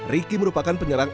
ricky merupakan penyerang